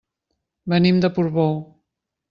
Venim de Portbou.